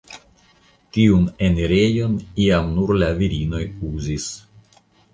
Tiun enirejon iam nur la virinoj uzis.